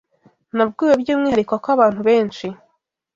Nabwiwe by’umwihariko ko abantu benshi